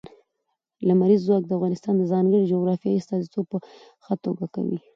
لمریز ځواک د افغانستان د ځانګړي جغرافیې استازیتوب په ښه توګه کوي.